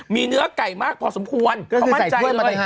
มีเนื้อไก่มากพอสมควรเขามั่นใจเลย